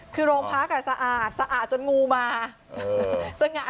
คือรองพักอ่ะสะอาดสะอาดจนงูมาเออ